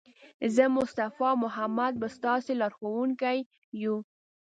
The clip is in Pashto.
زه، مصطفی او محمد به ستاسې لارښوونکي یو.